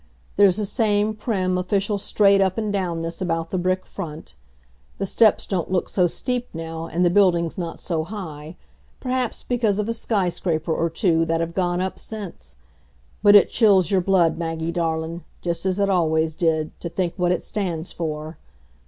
There's the same prim, official straight up and downness about the brick front. The steps don't look so steep now and the building's not so high, perhaps because of a skyscraper or two that've gone up since. But it chills your blood, Maggie darlin', just as it always did, to think what it stands for.